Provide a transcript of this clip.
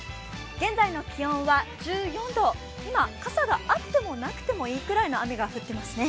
現在の気温は１４度、今、傘があっても、なくてもいいくらいな雨が降っていますね。